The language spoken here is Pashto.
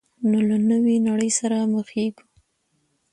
نو له نوې نړۍ سره مخېږو.